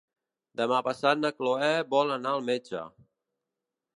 Demà passat na Chloé vol anar al metge.